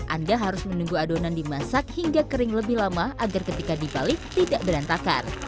anda harus menunggu adonan dimasak hingga kering lebih lama agar ketika dibalik tidak berantakan